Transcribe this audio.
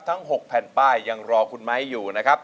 ทั้ง๖แผ่นป้ายยังรอคุณไม้อยู่นะครับ